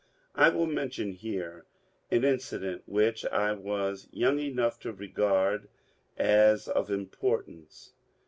I will mention here an incident which I was young enough to regard as of importance.